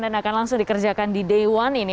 dan akan langsung dikerjakan di day one ini